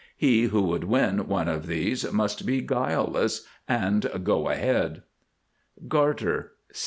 He who would win one of these must be Guileless and Go ahead. GARTER.